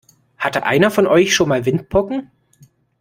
Hatte einer von euch schon mal Windpocken?